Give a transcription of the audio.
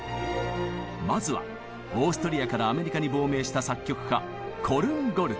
まずはオーストリアからアメリカに亡命した作曲家コルンゴルト。